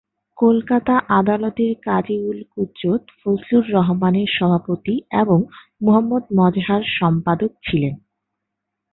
কলকাতা আদালতের কাজী-উল-কুজ্জত ফজলুর রহমান এর সভাপতি এবং মুহম্মদ মজহার সম্পাদক ছিলেন।